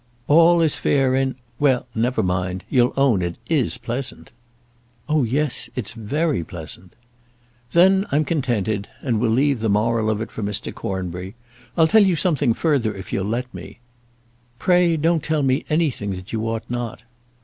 "All is fair in Well, never mind, you'll own it is pleasant." "Oh, yes; it's very pleasant." "Then I'm contented, and will leave the moral of it for Mr. Cornbury. I'll tell you something further if you'll let me." "Pray don't tell me anything that you ought not."